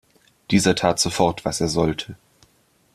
Dieser tat sofort, was er sollte.